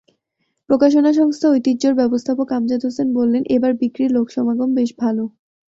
প্রকাশনা সংস্থা ঐতিহ্যর ব্যবস্থাপক আমজাদ হোসেন বললেন, এবার বিক্রি, লোকসমাগম বেশ ভালো।